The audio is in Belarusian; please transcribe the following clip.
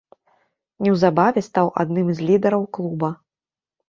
Неўзабаве стаў адным з лідараў клуба.